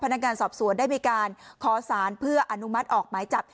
พนักงานสอบสวนได้มีการขอสารเพื่ออนุมัติออกหมายจับ